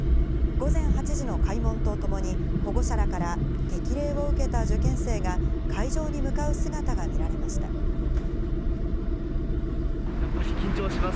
午前８時の開門とともに、保護者らから激励を受けた受験生が、会場に向かう姿が見られまし